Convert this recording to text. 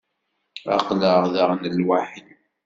Aql-aɣ daɣen lwaḥi.